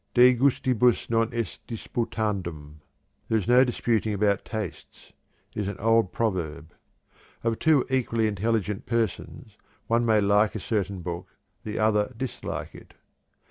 'De gustibus non est disputandum' ('there is no disputing about tastes') is an old proverb. Of two equally intelligent persons, the one may like a certain book, the other dislike it.